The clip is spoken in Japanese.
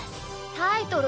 タイトル